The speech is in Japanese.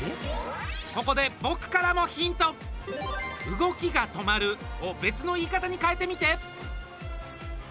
「動きが止まる」を別の言い方に変えてみて。